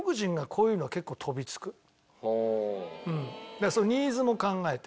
だからそのニーズも考えて。